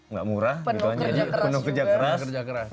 nggak murah bener bener